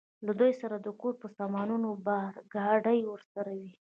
له دوی سره د کور په سامانونو بار، ګاډۍ ورسره وې.